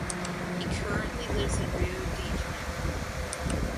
He currently lives in Rio de Janeiro.